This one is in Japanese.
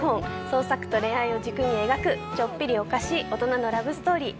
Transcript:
創作と恋愛を軸に描くちょっぴり可笑しい大人のラブストーリー。